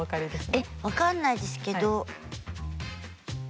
えっ分かんないですけど